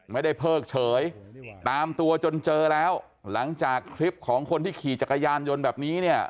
เพิกเฉยตามตัวจนเจอแล้วหลังจากคลิปของคนที่ขี่จักรยานยนต์แบบนี้เนี่ย